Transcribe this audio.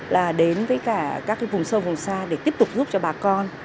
là đến với cả các cái vùng sâu vùng xa để tiếp tục giúp cho bà con